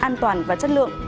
ngày một mươi tháng một mươi